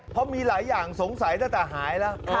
เพราะมีหลายอย่างสงสัยตั้งแต่หายแล้ว